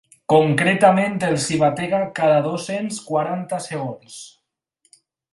Concretament els hi batega cada dos-cents quaranta segons.